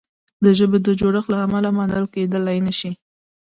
د ژبې د جوړښت له امله منل کیدلای نه شي.